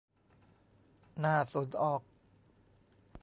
น่าสนออก